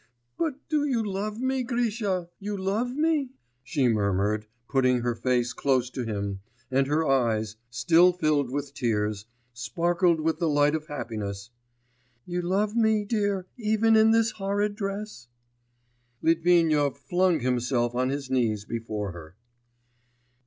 'But you love me, Grisha? You love me?' she murmured, putting her face close to him, and her eyes, still filled with tears, sparkled with the light of happiness, 'You love me, dear, even in this horrid dress?' Litvinov flung himself on his knees before her.